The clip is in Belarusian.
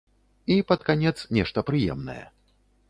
І, пад канец, нешта прыемнае.